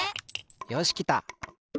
よしきた。